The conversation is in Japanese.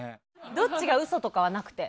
どっちが嘘とかはなくて。